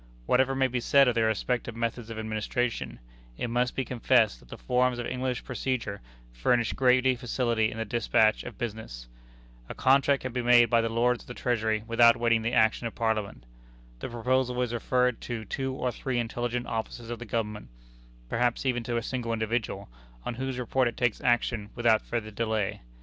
Whatever may be said of the respective methods of administration, it must be confessed that the forms of English procedure furnish greater facility in the despatch of business. A contract can be made by the Lords of the Treasury without waiting the action of Parliament. The proposal is referred to two or three intelligent officers of the Government perhaps even to a single individual on whose report it takes action without further delay.